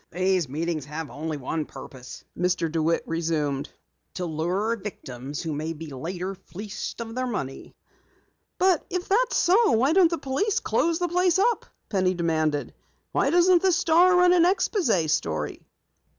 "These meetings have only one purpose," Mr. DeWitt resumed. "To lure victims who later may be fleeced of their money." "But if that is so, why don't police close up the place?" Penny demanded. "Why doesn't the Star run an exposé story?"